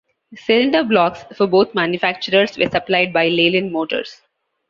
Cylinder blocks for both manufacturers were supplied by Leyland Motors.